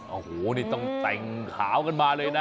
โอ้โหนี่ต้องแต่งขาวกันมาเลยนะ